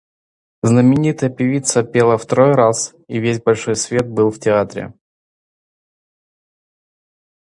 Знаменитая певица пела второй раз, и весь большой свет был в театре.